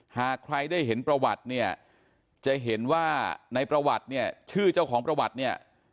หากใครได้เห็นประวัติเนี่ยจะเห็นว่าในประวัติเนี่ยชื่อเจ้าของประวัติเนี่ย